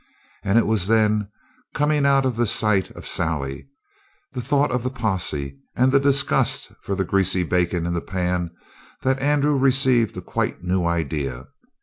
And it was then, coming out of the sight of Sally, the thought of the posse, and the disgust for the greasy bacon in the pan, that Andrew received a quite new idea.